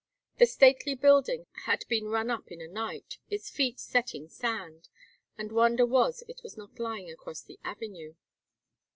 The stately building had been run up in a night, its feet set in sand, and the wonder was it was not lying across the avenue.